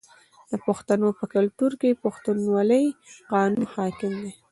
د پښتنو په کلتور کې د پښتونولۍ قانون حاکم دی.